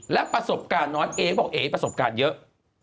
และประสบการณ์น้อยเอบอกเอ๋ประสบการณ์เยอะ